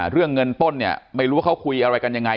เรื่องเงินต้นเนี่ยไม่รู้ว่าเขาคุยอะไรกันยังไง